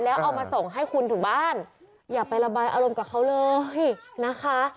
แล้วเอามาส่งให้คุณถึงบ้านอย่าไประบายอารมณ์กับเขาเลยนะคะ